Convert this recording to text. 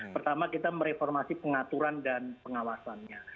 pertama kita mereformasi pengaturan dan pengawasannya